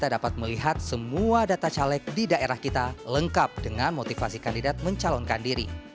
dan melihat semua data caleg di daerah kita lengkap dengan motivasi kandidat mencalonkan diri